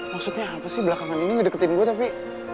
maksudnya apa sih belakangan ini ngedekatin gue tapi